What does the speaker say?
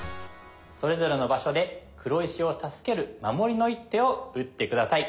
それぞれの場所で黒石を助ける守りの一手を打って下さい。